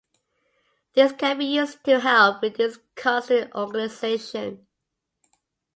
These can be used to help reduce costs to an organization.